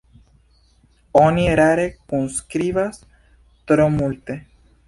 Oni erare kunskribas tro multe.